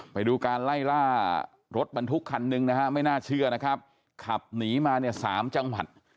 ไปดูการไล่ล่ารถบรรทุกคันหนึ่งนะฮะไม่น่าเชื่อนะครับขับหนีมาเนี่ย๓จังหวัด